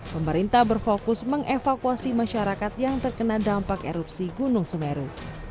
pemerintah berfokus mengevakuasi masyarakat yang terkena dampak erupsi gunung semeru